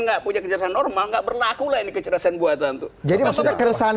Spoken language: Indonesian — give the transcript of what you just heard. enggak punya kecerdasan normal enggak berlaku lagi kecerdasan buatan tuh jadi masalah keresahan